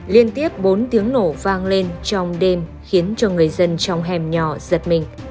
liên tiếp bốn tiếng nổ vang lên trong đêm khiến cho người dân trong hẻm nhỏ giật mình